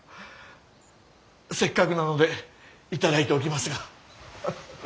せっかくなので頂いておきますが。